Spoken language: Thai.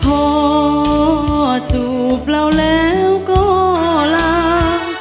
พอจูบเราแล้วก็ล้าง